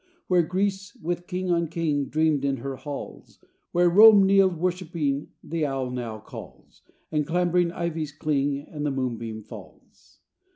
Where Greece, with king on king, Dreamed in her halls; Where Rome kneeled worshiping, The owl now calls, And clambering ivies cling, And the moonbeam falls.